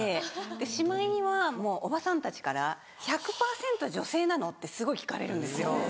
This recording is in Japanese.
しまいにはもうおばさんたちから１００％女性なの？ってすごい聞かれるんですよ。